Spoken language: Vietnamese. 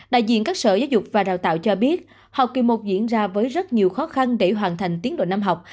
đại diện các sở giáo dục và đào tạo cho biết học kỳ một diễn ra với rất nhiều khó khăn để hoàn thành tiến độ năm học